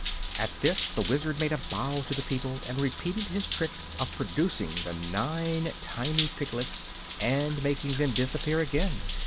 At this the Wizard made a bow to the people and repeated his trick of producing the nine tiny piglets and making them disappear again.